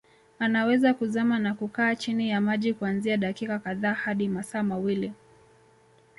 Anaweza kuzama na kukaa chini ya maji kuanzia dakika kadhaa hadi masaa mawili